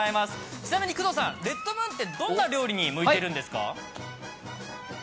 ちなみに工藤さん、レッドムーンってどんな料理に向いているんですか。